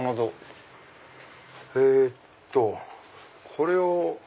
えっとこれを。